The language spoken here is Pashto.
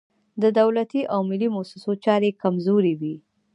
د دولتي او ملي موسسو چارې کمزورې وي.